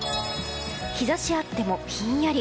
日差しあってもひんやり。